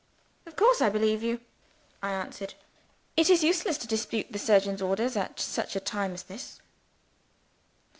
"Of course I believe you!" I answered. "It is useless to dispute the surgeon's orders at such a time as this."